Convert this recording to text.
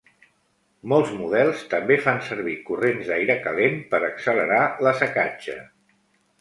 Molts models també fan servir corrents d'aire calent per accelerar l'assecatge.